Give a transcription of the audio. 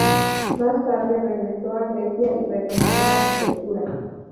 Más tarde regresó a Grecia y retomó la Arquitectura.